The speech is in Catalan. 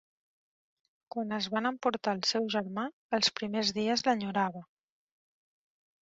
Quan es van emportar el seu germà, els primers dies l'enyorava.